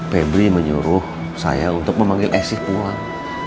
pebri menyuruh saya untuk memanggil esih pulang